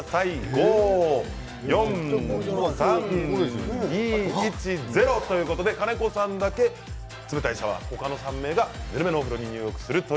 ５、４、３、２、１、０金子さんだけ冷たいシャワー他の３名がぬるめのお風呂に入浴。